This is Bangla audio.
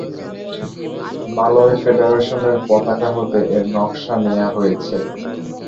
মালয় ফেডারেশনের পতাকা হতে এর নকশা নেয়া হয়েছে।